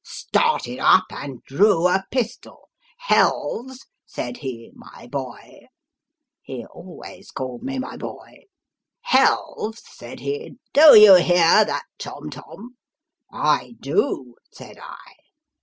" Started up and drew a pistol. ' Helves/ said he, { my boy,' ho always called me, my boy ' Helves,' said he, ' do you hear that tom tom ?' 'I do,' said I.